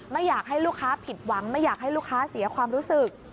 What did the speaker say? ไม่อยากให้ลูกค้าผิดหวังไม่อยากให้ลูกค้าเสียความรู้สึก